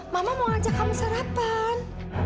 mama mau ajak kamu sarapan